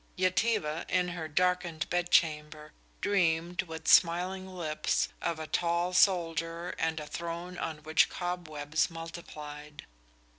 Yetive, in her darkened bed chamber, dreamed, with smiling lips, of a tall soldier and a throne on which cobwebs multiplied.